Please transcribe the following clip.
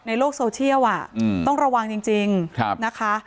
ในโลกโซเชียลอ่ะอืมต้องระวังจริงจริงครับนะคะ